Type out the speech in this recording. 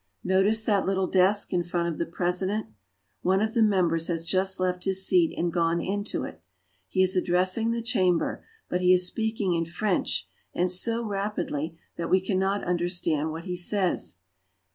Notice that little desk in front of the President. One of the members has just left his seat and gone into it. He is addressing the Chamber, but he is speaking in French and so rapidly that we cannot understand what he says.